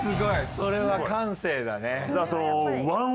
それは感性だね。